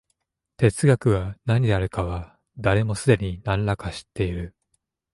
哲学が何であるかは、誰もすでに何等か知っている。